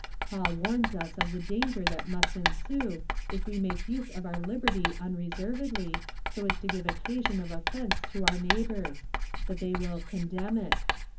Paul warns us of the danger that must ensue, if we make use of our liberty unreservedly, so as to give occasion of offence to our neighbours — that they will condemn it.